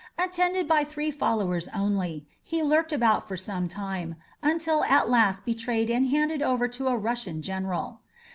Attended by three followers only, he lurked about for some time, until at last betrayed and handed over to a Russian general.